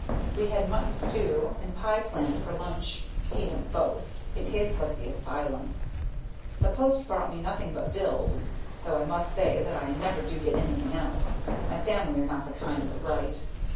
We had mutton stew and pie plant for lunch hate 'em both; they taste like the asylum. The post brought me nothing but bills (though I must say that I never do get anything else; my family are not the kind that write).